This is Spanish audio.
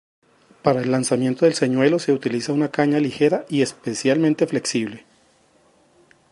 Para el lanzamiento del señuelo se utiliza una caña ligera y especialmente flexible.